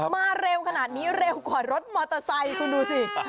เร็วขนาดนี้เร็วกว่ารถมอเตอร์ไซค์คุณดูสิ